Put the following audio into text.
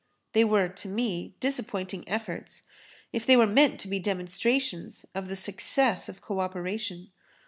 They were to me disappointing efforts, if they were meant to be demonstrations of the success of co operation.